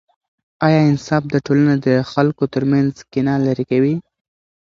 آیا انصاف د ټولنې د خلکو ترمنځ کینه لیرې کوي؟